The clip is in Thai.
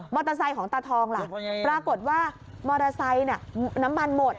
เตอร์ไซค์ของตาทองล่ะปรากฏว่ามอเตอร์ไซค์น้ำมันหมด